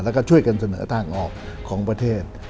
แล้วก็ช่วยกันเสนอทางออกของประเทศ